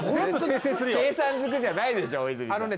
計算ずくじゃないでしょ大泉さん。